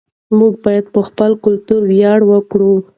موږ باید په خپل کلتور ویاړ وکړو.